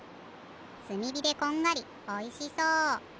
すみびでこんがりおいしそう。